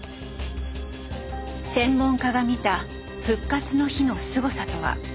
専門家が見た「復活の日」のすごさとは。